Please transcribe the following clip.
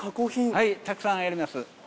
はいたくさんあります。